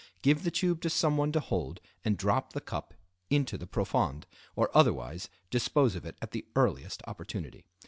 Give the tube to someone to hold and drop the cup into the profonde, or otherwise dispose of it at the earliest opportunity.